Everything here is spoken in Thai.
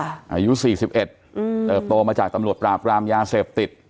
อายุ๔๑เติบโตมาจากตำรวจปราบรามยาเสพติด